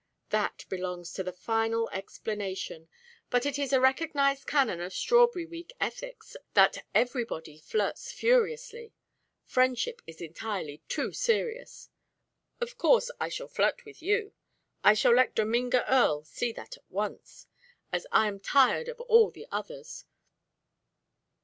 "That belongs to the final explanation. But it is a recognised canon of strawberry week ethics that everybody flirts furiously. Friendship is entirely too serious. Of course I shall flirt with you, I shall let Dominga Earle see that at once, as I am tired of all the others.